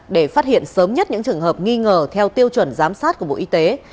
để phát hiện sớm nhất những trường hợp nghi ngờ theo tiêu chuẩn giám sát của bộ y tế